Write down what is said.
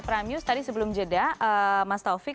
prime news tadi sebelum jeda mas taufik